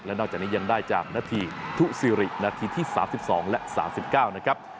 และนอกจากนี้ยังได้จากหน้าที่ทุศิริหน้าที่ที่๓๒และ๓๙